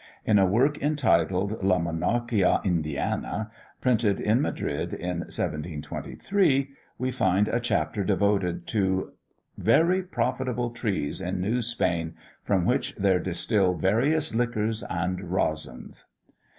In a work entitled La Monarchia Indiana, printed at Madrid in 1723, we find a chapter devoted to "Very profitable trees in New Spain, from which there distil various liquors and resins."